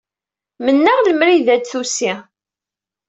Mennaɣ lemmer d ay d-tusi.